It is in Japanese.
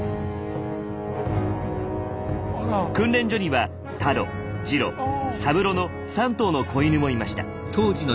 訓練所にはタロジロサブロの３頭の子犬もいました。